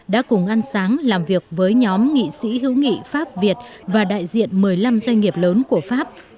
đã cùng ăn sáng làm việc với nhóm nghị sĩ hữu nghị pháp việt và đại diện một mươi năm doanh nghiệp lớn của pháp